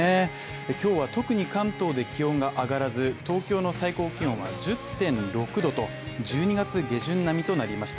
今日は特に関東で気温が上がらず、東京の最高気温は１０．６℃と１２月下旬並みとなりました。